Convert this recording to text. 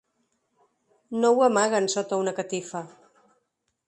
No ho amaguen sota una catifa.